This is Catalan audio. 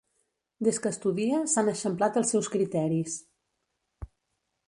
Des que estudia s'han eixamplat els seus criteris.